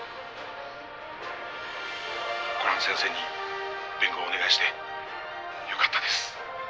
コラン先生に弁護をお願いしてよかったです。